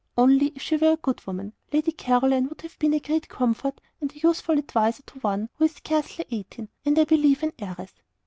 Only, if she were a good woman, Lady Caroline would have been a great comfort and a useful adviser to one who is scarcely eighteen, and, I believe, an heiress."